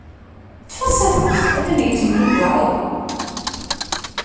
Ṭṭef-as afus atan yettemdudduɛ akk.